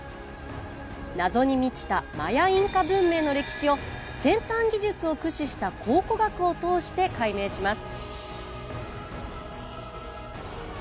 謎に満ちたマヤ・インカ文明の歴史を先端技術を駆使した考古学を通して解明します。